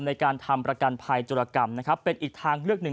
ในการทำประกันภัยจุรกรรมนะครับเป็นอีกทางเลือกหนึ่ง